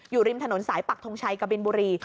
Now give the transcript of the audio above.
อยู่ริมถนนสายปักทงชัยกบินบุรี